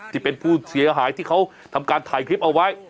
ที่เป็นผู้เสียหายที่เขาทำการถ่ายคลิปเอาไว้